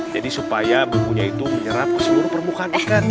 jadi supaya bumbunya itu menyerap ke seluruh permukaan ikan